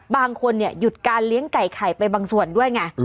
บางคนหยุดการเลี้ยงไก่ไข่ไปบางส่วนด้วยไง